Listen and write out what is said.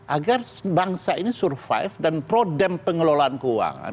agar bangsa ini survive dan prodem pengelolaan keuangan